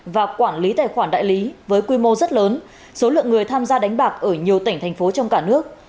và quản lý tài khoản đại lý với quy mô rất lớn số lượng người tham gia đánh bạc ở nhiều tỉnh thành phố trong cả nước